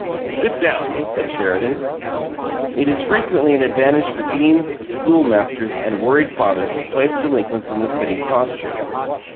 "Sit down," said Sheridan. It is frequently an advantage for deans, school masters, and worried fathers to place delinquents in the sitting posture.